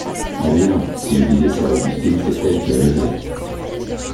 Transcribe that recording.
Ah bien! si je disais ça à Augustine, c’est elle qui rirait...